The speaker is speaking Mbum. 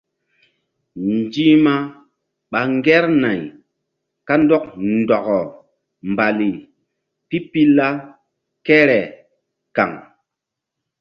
Nzi̧hma ɓa ŋgernay kandɔk ndɔkɔ mbali pipila kere kaŋ.